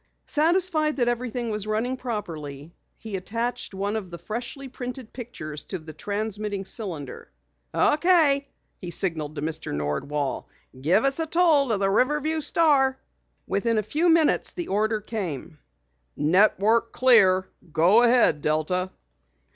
Satisfied that everything was running properly, he attached one of the freshly printed pictures to the transmitting cylinder. "Okay," he signaled to Mr. Nordwall. "Give us a toll to the Riverview Star." Within a few minutes the order came: "Network clear. Go ahead, Delta."